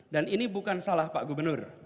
dan ini bukan salah pak gubernur